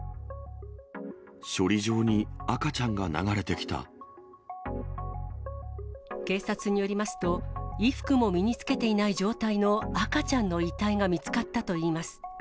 処理場に赤ちゃんが流れてき警察によりますと、衣服も身に着けていない状態の赤ちゃんの遺体が見つかったといいます。